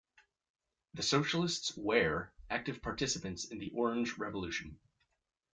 The socialists where active participants in the Orange Revolution.